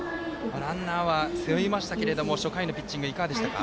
ランナーは背負いましたけれども初回のピッチングいかがしたか？